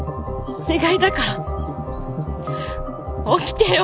お願いだから起きてよ。